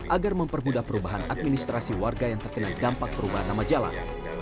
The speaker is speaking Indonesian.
agar mempermudah perubahan administrasi warga yang terkena dampak perubahan nama jalan